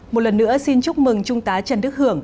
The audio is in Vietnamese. một lần nữa xin chúc mừng trung tá trần đức hưởng